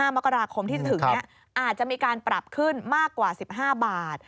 มกราคมที่จะถึงนี้อาจจะมีการปรับขึ้นมากกว่า๑๕บาท